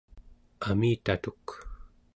amitatuk